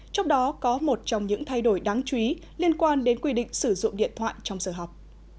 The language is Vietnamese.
trong đó có một trong những thay đổi đáng chú ý liên quan đến quy định sử dụng điện thoại trong giờ học